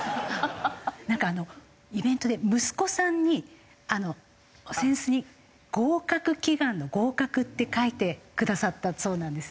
なんかイベントで息子さんに扇子に合格祈願の「合格」って書いてくださったそうなんですね。